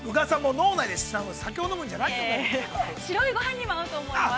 白いごはんにも合うと思います。